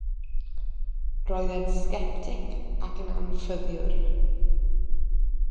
Roedd e'n sgeptig ac yn anffyddiwr.